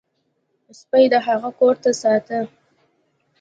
سپي د هغه کور ساته.